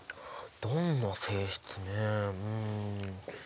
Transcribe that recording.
どんな性質ねうん。